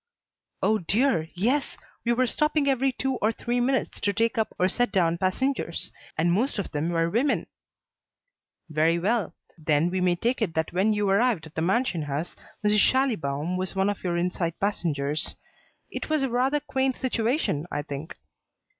"Oh dear, yes. We were stopping every two or three minutes to take up or set down passengers; and most of them were women." "Very well; then we may take it that when you arrived at the Mansion House, Mrs. Schallibaum was one of your inside passengers. It was a rather quaint situation, I think."